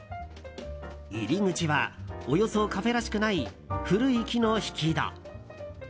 入り口はおよそカフェらしくない古い木の引き戸。